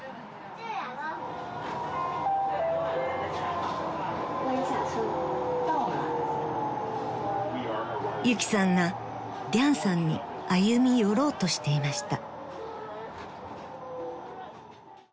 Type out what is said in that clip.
（中国語のアナウン［ゆきさんがリャンさんに歩み寄ろうとしていました］